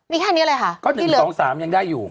นี่แค่นี้เลยค่ะที่เหลือก็๑๒๓ยังได้อยู่